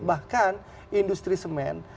bahkan industri semen